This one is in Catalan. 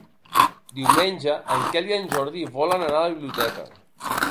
Diumenge en Quel i en Jordi volen anar a la biblioteca.